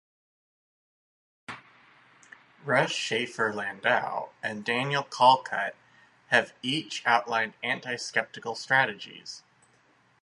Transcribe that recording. Russ Shafer-Landau and Daniel Callcut have each outlined anti-skeptical strategies.